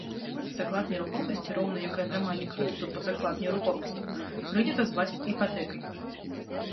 Заклад нерухомасці, роўна як і атрыманне крэдыту пад заклад нерухомасці, прынята зваць іпатэкай.